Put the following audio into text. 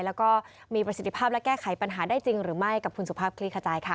แล้วก็มีประสิทธิภาพและแก้ไขปัญหาได้จริงหรือไม่กับคุณสุภาพคลี่ขจายค่ะ